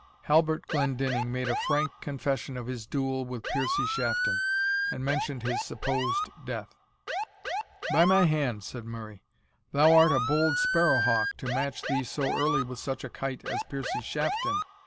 Halbert Glendinning made a frank confession of his duel with Piercie Shafton, and mentioned his supposed death. "By my hand," said Murray, "thou art a bold sparrow hawk, to match thee so early with such a kite as Piercie Shafton.